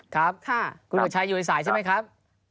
ครับคุณประชัยอยู่ในสายใช่ไหมครับ